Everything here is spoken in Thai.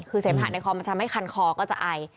คือเสมหะในคอมันจะไม่คันคอก็จะไอ